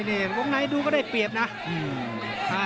ตรงไหนดูก็ได้เปรียบนะนะ